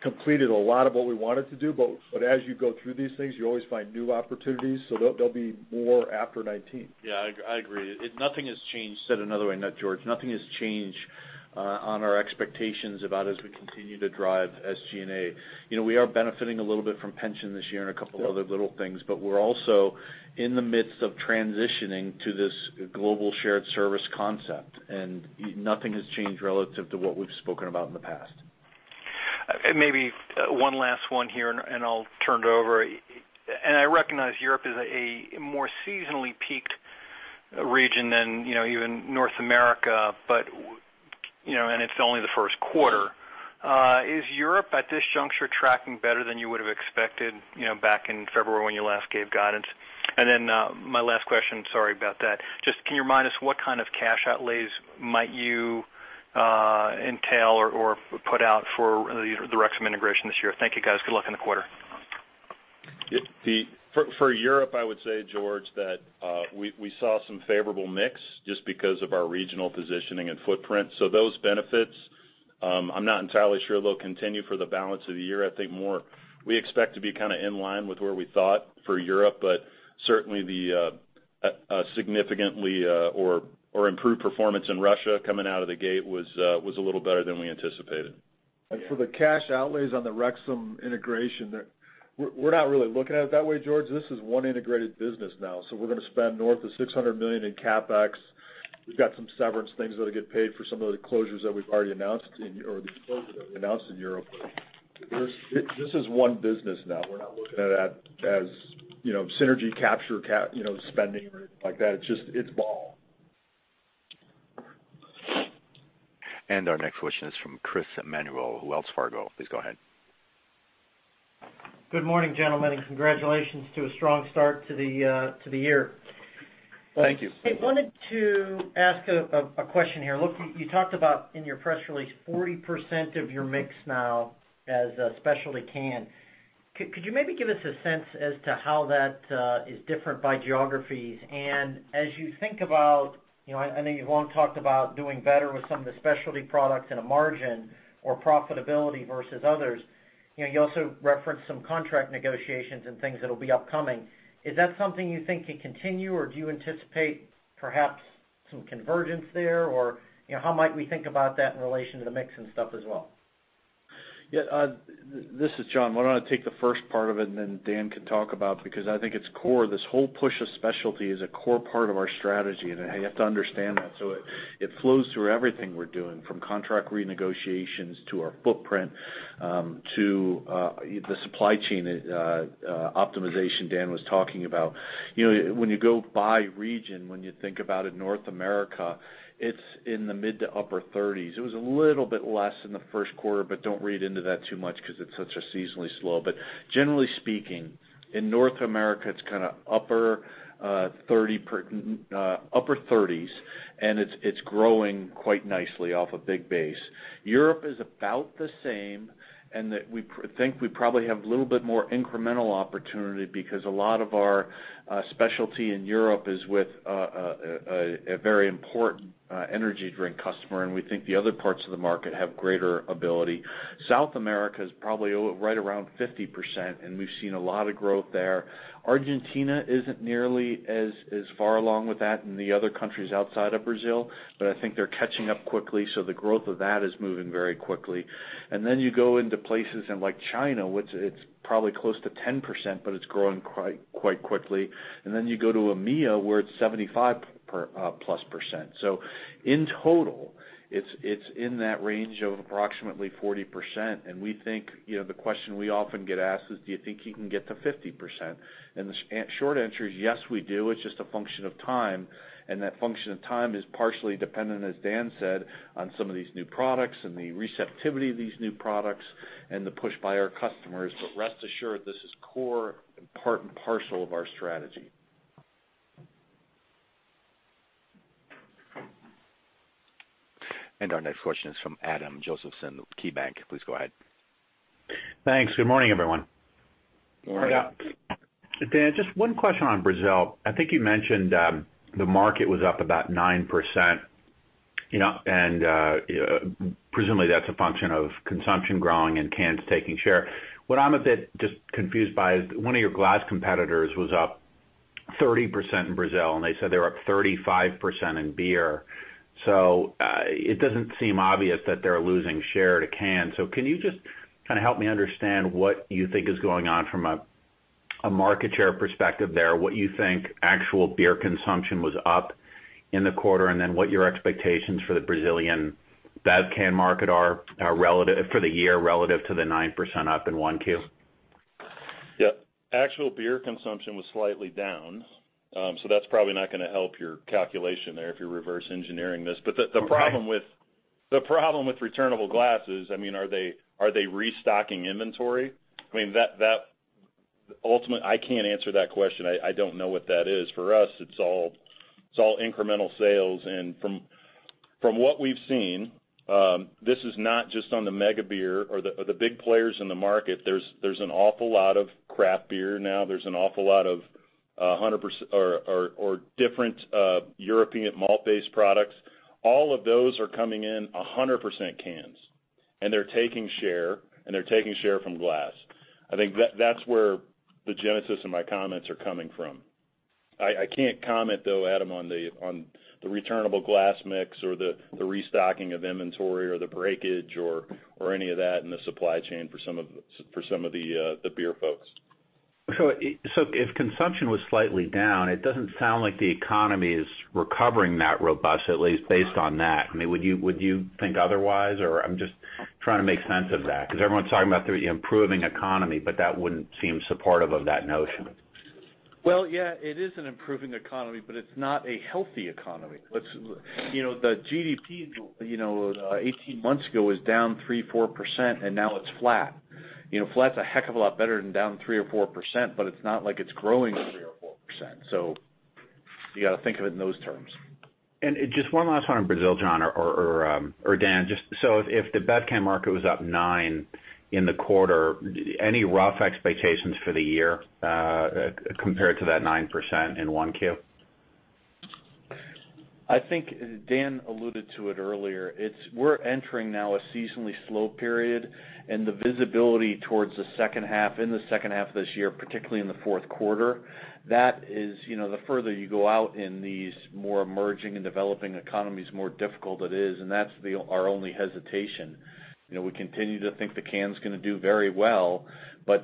completed a lot of what we wanted to do, as you go through these things, you always find new opportunities. There'll be more after 2019. Yeah, I agree. Said another way, not George, nothing has changed on our expectations about as we continue to drive SG&A. We are benefiting a little bit from pension this year and a couple other little things, but we're also in the midst of transitioning to this global shared service concept. Nothing has changed relative to what we've spoken about in the past. Maybe one last one here, I'll turn it over. I recognize Europe is a more seasonally peaked region than even North America. It's only the first quarter. Is Europe at this juncture tracking better than you would've expected back in February when you last gave guidance? My last question, sorry about that. Just can you remind us what kind of cash outlays might you entail or put out for the Rexam integration this year? Thank you, guys. Good luck in the quarter. For Europe, I would say, George, that we saw some favorable mix just because of our regional positioning and footprint. Those benefits, I'm not entirely sure they'll continue for the balance of the year. I think more we expect to be kind of in line with where we thought for Europe, certainly the significantly improved performance in Russia coming out of the gate was a little better than we anticipated. For the cash outlays on the Rexam integration there, we're not really looking at it that way, George. This is one integrated business now. We're going to spend north of $600 million in CapEx. We've got some severance things that'll get paid for some of the closures that we've already announced in Europe. This is one business now. We're not looking at it as synergy capture spending or anything like that. It's Ball. Our next question is from [Chris Emanuel], Wells Fargo. Please go ahead. Good morning, gentlemen, congratulations to a strong start to the year. Thank you. I wanted to ask a question here. Look, you talked about in your press release, 40% of your mix now as a specialty can. Could you maybe give us a sense as to how that is different by geographies? As you think about, I know you've long talked about doing better with some of the specialty products in a margin or profitability versus others. You also referenced some contract negotiations and things that'll be upcoming. Is that something you think can continue, or do you anticipate perhaps some convergence there? How might we think about that in relation to the mix and stuff as well? This is John. Why don't I take the first part of it, and then Dan can talk about, because I think it's core. This whole push of specialty is a core part of our strategy, and you have to understand that. It flows through everything we're doing, from contract renegotiations to our footprint, to the supply chain optimization Dan was talking about. When you go by region, when you think about it, North America, it's in the mid-to-upper 30s. It was a little bit less in the first quarter, but don't read into that too much because it's such a seasonally slow. Generally speaking, in North America, it's kind of upper 30s, and it's growing quite nicely off a big base. Europe is about the same, and that we think we probably have a little bit more incremental opportunity because a lot of our specialty in Europe is with a very important energy drink customer, and we think the other parts of the market have greater ability. South America is probably right around 50%, and we've seen a lot of growth there. Argentina isn't nearly as far along with that in the other countries outside of Brazil, but I think they're catching up quickly. The growth of that is moving very quickly. You go into places in like China, which it's probably close to 10%, but it's growing quite quickly. You go to EMEA, where it's 75% plus. In total, it's in that range of approximately 40%. We think the question we often get asked is, do you think you can get to 50%? The short answer is, yes, we do. It's just a function of time, and that function of time is partially dependent, as Dan said, on some of these new products and the receptivity of these new products and the push by our customers. Rest assured, this is core and part and parcel of our strategy. Our next question is from Adam Josephson with KeyBanc. Please go ahead. Thanks. Good morning, everyone. Good morning. Dan, just one question on Brazil. I think you mentioned the market was up about 9%, and presumably that's a function of consumption growing and cans taking share. What I'm a bit just confused by is one of your glass competitors was up 30% in Brazil, and they said they were up 35% in beer. It doesn't seem obvious that they're losing share to cans. Can you just help me understand what you think is going on from a market share perspective there? What you think actual beer consumption was up in the quarter, and then what your expectations for the Brazilian bev can market are for the year relative to the 9% up in 1Q. Yep. Actual beer consumption was slightly down. That's probably not going to help your calculation there if you're reverse engineering this. Okay. The problem with returnable glasses, are they restocking inventory? Ultimately, I can't answer that question. I don't know what that is. For us, it's all incremental sales. From what we've seen, this is not just on the mega beer or the big players in the market. There's an awful lot of craft beer now. There's an awful lot of different European malt-based products. All of those are coming in 100% cans, and they're taking share from glass. I think that's where the genesis of my comments are coming from. I can't comment, though, Adam, on the returnable glass mix or the restocking of inventory or the breakage or any of that in the supply chain for some of the beer folks. If consumption was slightly down, it doesn't sound like the economy is recovering that robust, at least based on that. Would you think otherwise, or I'm just trying to make sense of that? Everyone's talking about the improving economy, but that wouldn't seem supportive of that notion. Yeah, it is an improving economy, but it's not a healthy economy. The GDP, 18 months ago, was down 3%, 4%, and now it's flat. Flat's a heck of a lot better than down 3% or 4%, but it's not like it's growing 3% or 4%. You got to think of it in those terms. Just one last time on Brazil, John or Dan. If the bev can market was up nine in the quarter, any rough expectations for the year compared to that 9% in 1Q? I think Dan alluded to it earlier. We're entering now a seasonally slow period, the visibility towards the second half, in the second half of this year, particularly in the fourth quarter, the further you go out in these more emerging and developing economies, the more difficult it is, that's our only hesitation. We continue to think the can's going to do very well,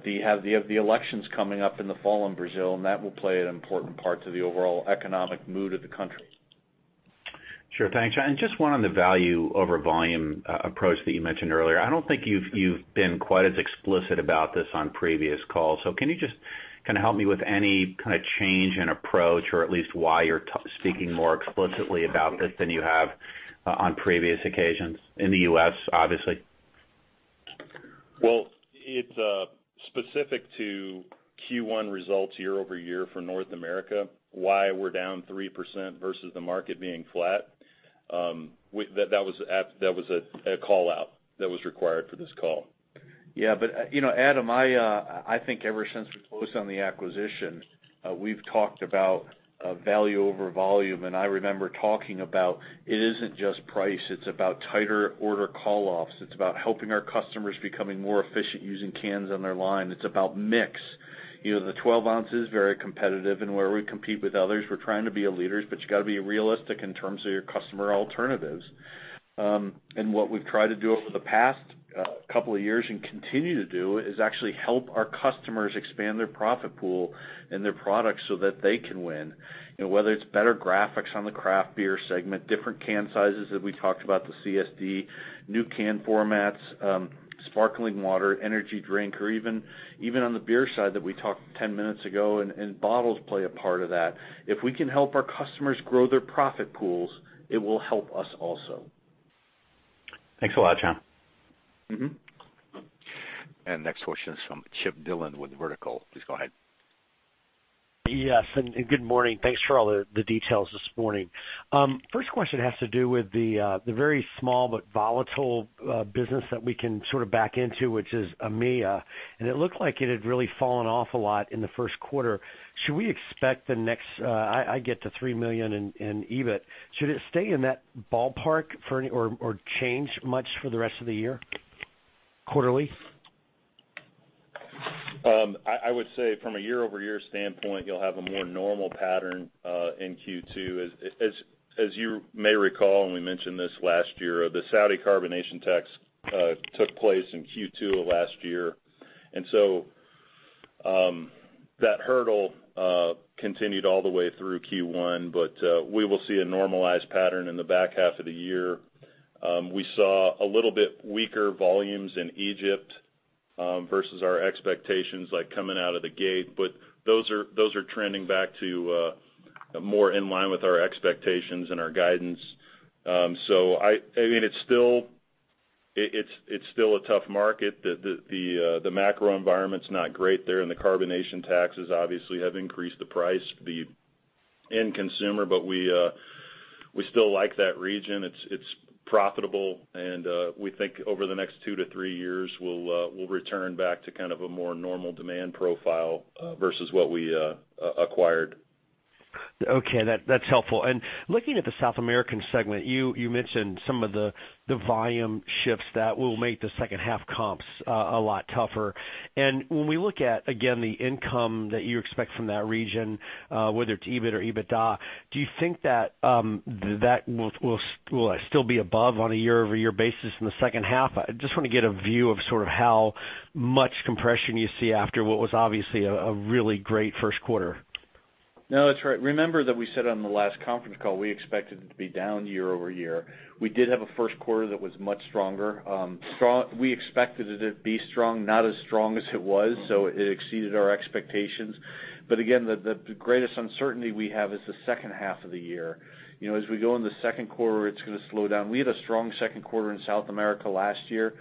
you have the elections coming up in the fall in Brazil, that will play an important part to the overall economic mood of the country. Sure. Thanks. Just one on the value over volume approach that you mentioned earlier. I don't think you've been quite as explicit about this on previous calls. Can you just help me with any kind of change in approach or at least why you're speaking more explicitly about this than you have on previous occasions in the U.S., obviously? Well, it's specific to Q1 results year-over-year for North America, why we're down 3% versus the market being flat. That was a call-out that was required for this call. Yeah, Adam, I think ever since we closed on the acquisition, we've talked about value over volume, I remember talking about it isn't just price. It's about tighter order call-offs. It's about helping our customers becoming more efficient using cans on their line. It's about mix. The 12-ounce is very competitive, where we compete with others, we're trying to be leaders, you got to be realistic in terms of your customer alternatives. What we've tried to do over the past couple of years and continue to do is actually help our customers expand their profit pool and their products so that they can win. Whether it's better graphics on the craft beer segment, different can sizes that we talked about, the CSD, new can formats, sparkling water, energy drink, or even on the beer side that we talked 10 minutes ago, bottles play a part of that. If we can help our customers grow their profit pools, it will help us also. Thanks a lot, John. Next question is from Chip Dillon with Vertical. Please go ahead. Yes, good morning. Thanks for all the details this morning. First question has to do with the very small but volatile business that we can sort of back into, which is EMEA, it looked like it had really fallen off a lot in the first quarter. I get to $3 million in EBIT. Should it stay in that ballpark or change much for the rest of the year, quarterly? I would say from a year-over-year standpoint, you'll have a more normal pattern in Q2. As you may recall, we mentioned this last year, the Saudi carbonation tax took place in Q2 of last year. That hurdle continued all the way through Q1. We will see a normalized pattern in the back half of the year. We saw a little bit weaker volumes in Egypt versus our expectations coming out of the gate. Those are trending back to more in line with our expectations and our guidance. It's still a tough market. The macro environment's not great there, and the carbonation taxes obviously have increased the price for the end consumer. We still like that region. It's profitable, and we think over the next two to three years, we'll return back to kind of a more normal demand profile versus what we acquired. Okay, that's helpful. Looking at the South American segment, you mentioned some of the volume shifts that will make the second half comps a lot tougher. When we look at, again, the income that you expect from that region, whether it's EBIT or EBITDA, do you think that will still be above on a year-over-year basis in the second half? I just want to get a view of sort of how much compression you see after what was obviously a really great first quarter. No, that's right. Remember that we said on the last conference call, we expected it to be down year-over-year. We did have a first quarter that was much stronger. We expected it to be strong, not as strong as it was, so it exceeded our expectations. Again, the greatest uncertainty we have is the second half of the year. As we go in the second quarter, it's going to slow down. We had a strong second quarter in South America last year.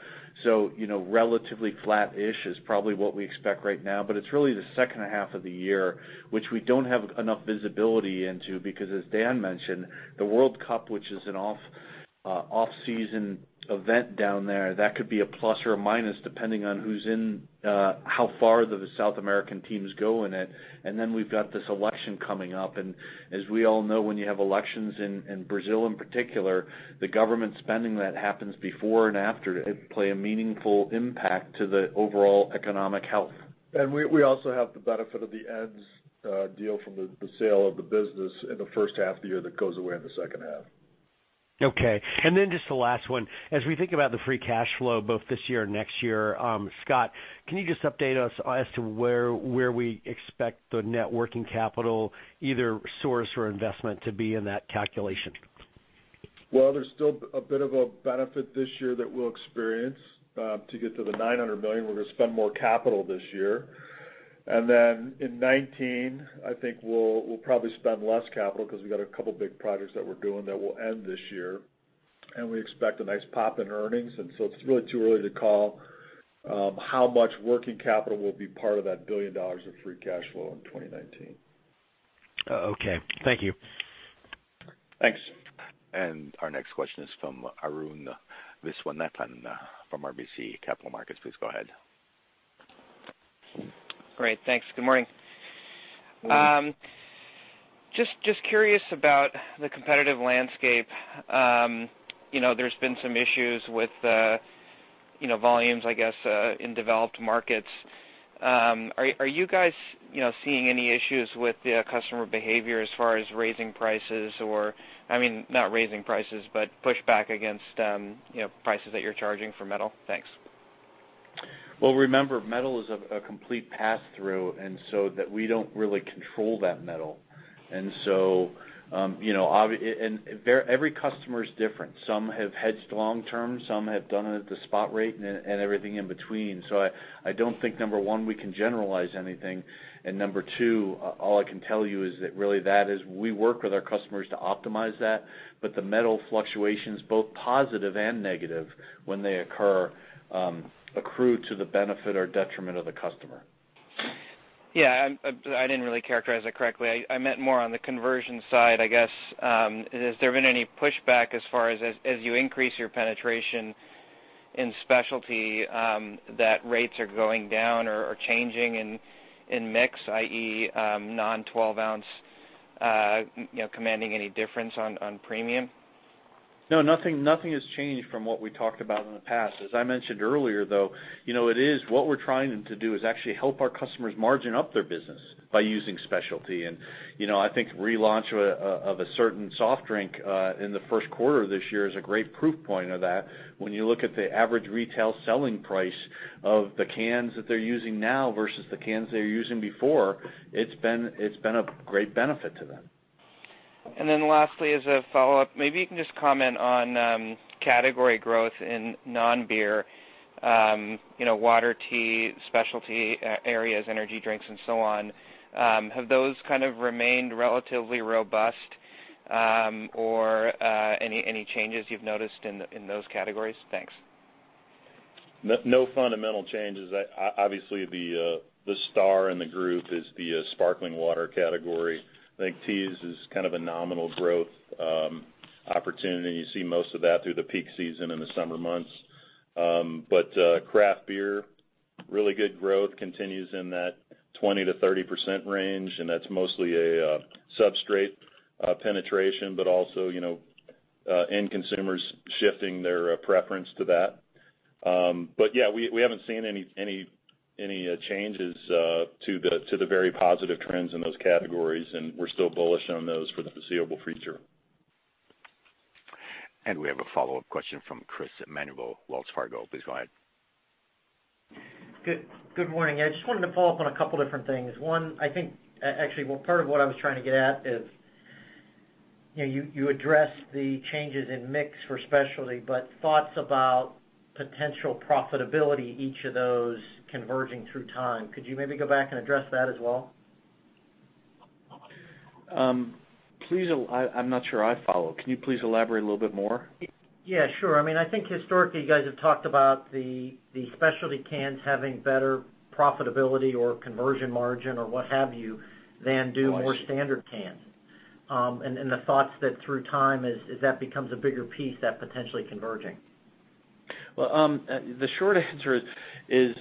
Relatively flat-ish is probably what we expect right now. It's really the second half of the year, which we don't have enough visibility into. As Dan mentioned, the World Cup, which is an off-season event down there, that could be a plus or a minus depending on how far the South American teams go in it. Then we've got this election coming up. As we all know, when you have elections in Brazil, in particular, the government spending that happens before and after play a meaningful impact to the overall economic health. We also have the benefit of the Ed's deal from the sale of the business in the first half of the year that goes away in the second half. Okay. Then just the last one. As we think about the free cash flow, both this year and next year, Scott, can you just update us as to where we expect the net working capital, either source or investment to be in that calculation? Well, there's still a bit of a benefit this year that we'll experience. To get to the $900 million, we're going to spend more capital this year. Then in 2019, I think we'll probably spend less capital because we've got a couple big projects that we're doing that will end this year. We expect a nice pop in earnings. It's really too early to call how much working capital will be part of that $1 billion of free cash flow in 2019. Okay. Thank you. Thanks. Our next question is from Arun Viswanathan from RBC Capital Markets. Please go ahead. Great. Thanks. Good morning. Morning. Just curious about the competitive landscape. There's been some issues with volumes, I guess, in developed markets. Are you guys seeing any issues with the customer behavior as far as raising prices or, I mean, not raising prices, but pushback against prices that you're charging for metal? Thanks. Well, remember, metal is a complete pass-through. We don't really control that metal. Every customer is different. Some have hedged long term, some have done it at the spot rate, and everything in between. I don't think, number one, we can generalize anything. Number two, all I can tell you is that really that is we work with our customers to optimize that. The metal fluctuations, both positive and negative when they occur, accrue to the benefit or detriment of the customer. Yeah, I didn't really characterize that correctly. I meant more on the conversion side, I guess. Has there been any pushback as far as you increase your penetration in specialty, that rates are going down or changing in mix, i.e., non-12-ounce commanding any difference on premium? No, nothing has changed from what we talked about in the past. As I mentioned earlier, though, what we're trying to do is actually help our customers margin up their business by using specialty. I think the relaunch of a certain soft drink in the first quarter of this year is a great proof point of that. When you look at the average retail selling price of the cans that they're using now versus the cans they were using before, it's been a great benefit to them. Lastly, as a follow-up, maybe you can just comment on category growth in non-beer: water, tea, specialty areas, energy drinks, and so on. Have those kind of remained relatively robust, or any changes you've noticed in those categories? Thanks. No fundamental changes. Obviously, the star in the group is the sparkling water category. I think teas is kind of a nominal growth opportunity. You see most of that through the peak season in the summer months. Craft beer, really good growth continues in that 20%-30% range, and that's mostly a substrate penetration, but also end consumers shifting their preference to that. Yeah, we haven't seen any changes to the very positive trends in those categories, and we're still bullish on those for the foreseeable future. We have a follow-up question from Chris Parkinson, Wells Fargo. Please go ahead. Good morning. I just wanted to follow up on a couple different things. One, I think, actually, well, part of what I was trying to get at is, you addressed the changes in mix for specialty, thoughts about potential profitability, each of those converging through time. Could you maybe go back and address that as well? Please, I'm not sure I follow. Can you please elaborate a little bit more? Yeah, sure. I think historically, you guys have talked about the specialty cans having better profitability or conversion margin or what have you, than do more standard cans. The thoughts that through time as that becomes a bigger piece, that potentially converging. Well, the short answer is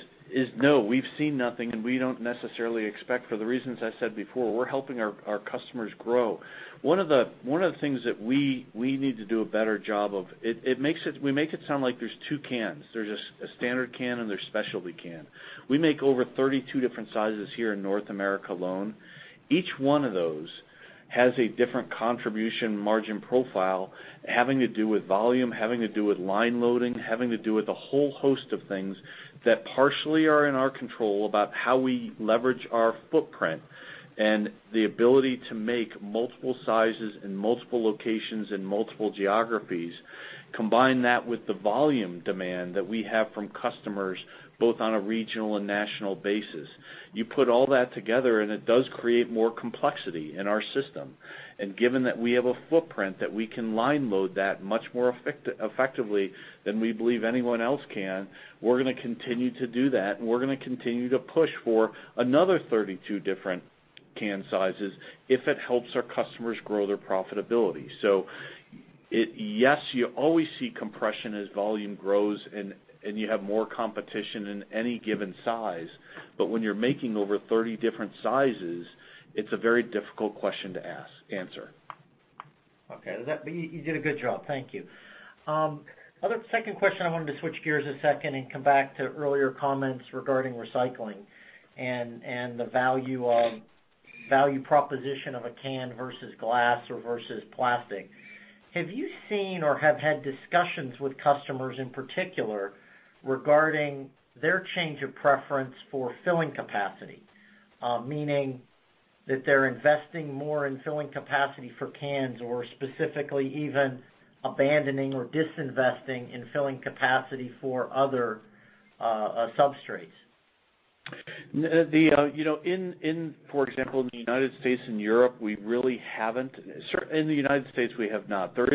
no. We've seen nothing, we don't necessarily expect for the reasons I said before. We're helping our customers grow. One of the things that we need to do a better job of, we make it sound like there's two cans. There's a standard can and there's specialty can. We make over 32 different sizes here in North America alone. Each one of those has a different contribution margin profile, having to do with volume, having to do with line loading, having to do with a whole host of things that partially are in our control about how we leverage our footprint and the ability to make multiple sizes in multiple locations in multiple geographies. Combine that with the volume demand that we have from customers, both on a regional and national basis. You put all that together, it does create more complexity in our system. Given that we have a footprint that we can line load that much more effectively than we believe anyone else can, we're going to continue to do that, and we're going to continue to push for another 32 different can sizes if it helps our customers grow their profitability. Yes, you always see compression as volume grows and you have more competition in any given size. When you're making over 30 different sizes, it's a very difficult question to answer. Okay. You did a good job. Thank you. Other second question, I wanted to switch gears a second and come back to earlier comments regarding recycling and the value proposition of a can versus glass or versus plastic. Have you seen or have had discussions with customers in particular regarding their change of preference for filling capacity? Meaning that they're investing more in filling capacity for cans or specifically even abandoning or disinvesting in filling capacity for other substrates. For example, in the U.S. and Europe, we really haven't. In the U.S., we have not. There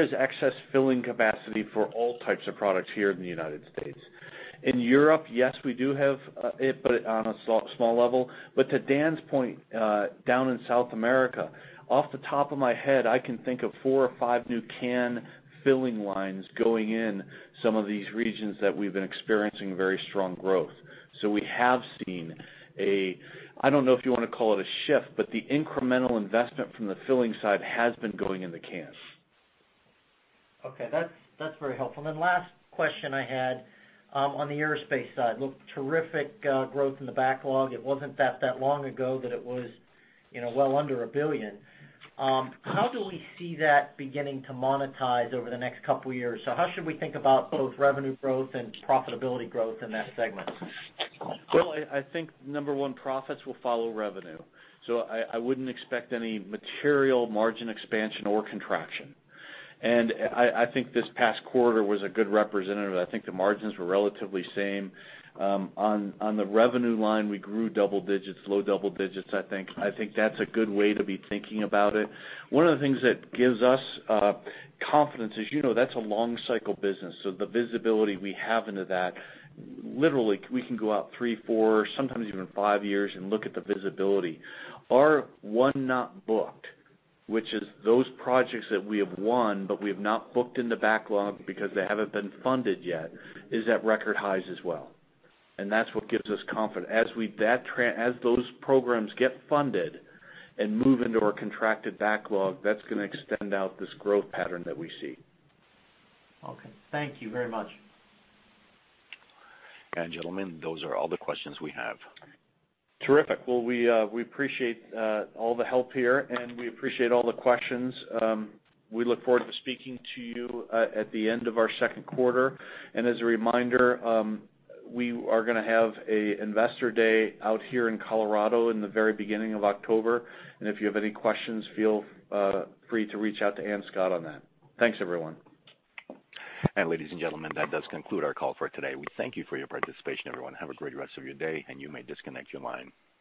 is excess filling capacity for all types of products here in the U.S. In Europe, yes, we do have it, but on a small level. To Dan's point, down in South America, off the top of my head, I can think of four or five new can filling lines going in some of these regions that we've been experiencing very strong growth. We have seen a, I don't know if you want to call it a shift, but the incremental investment from the filling side has been going into cans. Okay. That's very helpful. Last question I had on the aerospace side. Looked terrific growth in the backlog. It wasn't that long ago that it was well under $1 billion. How do we see that beginning to monetize over the next couple of years? How should we think about both revenue growth and profitability growth in that segment? I think number 1, profits will follow revenue. I wouldn't expect any material margin expansion or contraction. I think this past quarter was a good representative. I think the margins were relatively same. On the revenue line, we grew double digits, low double digits, I think. I think that's a good way to be thinking about it. One of the things that gives us confidence is, you know that's a long cycle business, so the visibility we have into that, literally, we can go out three, four, sometimes even five years and look at the visibility. Our won not booked, which is those projects that we have won, but we have not booked in the backlog because they haven't been funded yet, is at record highs as well. That's what gives us confidence. As those programs get funded and move into our contracted backlog, that's going to extend out this growth pattern that we see. Thank you very much. Gentlemen, those are all the questions we have. Terrific. Well, we appreciate all the help here. We appreciate all the questions. We look forward to speaking to you at the end of our second quarter. As a reminder, we are going to have a investor day out here in Colorado in the very beginning of October. If you have any questions, feel free to reach out to Ann Scott on that. Thanks, everyone. Ladies and gentlemen, that does conclude our call for today. We thank you for your participation, everyone. Have a great rest of your day. You may disconnect your line.